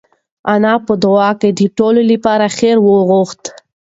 انا په دعا کې د ټولو لپاره خیر وغوښت.